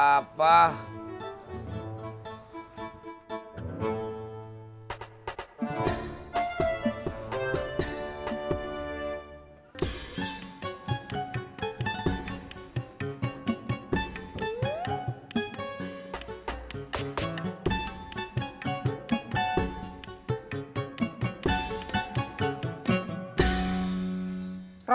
saya sudah kirain